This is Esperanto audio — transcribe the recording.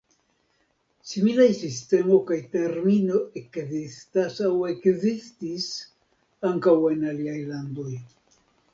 Similaj sistemo kaj termino ekzistas aŭ ekzistis ankaŭ en aliaj landoj.